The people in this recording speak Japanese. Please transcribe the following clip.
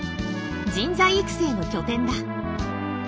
人材育成の拠点だ。